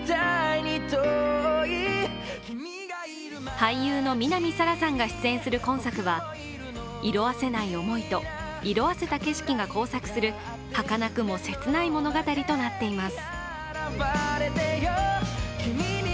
俳優の南沙良さんが出演する今作は、色あせない思いと、色あせた景色が交錯するはかなくも切ない物語となっています。